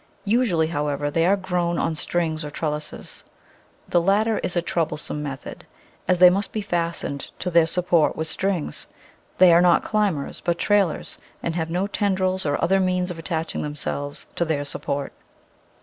Usually, however, they are grown on strings or trellises. The latter is a troublesome method, as they must be fastened to their support with strings. They are not climbers, but trailers, and have no tendrils or other means of attaching themselves to their support.